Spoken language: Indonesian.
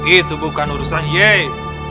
itu bukan urusan yei